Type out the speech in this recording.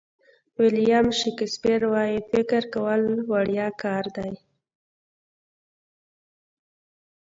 ویلیام شکسپیر وایي فکر کول وړیا کار دی.